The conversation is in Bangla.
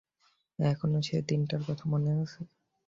এখনও সে দিনটার কথা মনে আছে!